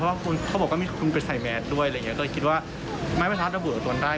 เพราะว่าคุณเขาบอกว่ามีคนไปใส่แมสด้วยอะไรอย่างเงี้ก็เลยคิดว่าไม้ประทัดระบุกับตนได้